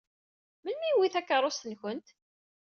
Melmi i yewwi takeṛṛust-nkent?